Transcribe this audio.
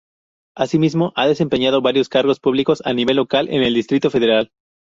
Asimismo ha desempeñado varios cargos públicos a nivel local en el Distrito Federal.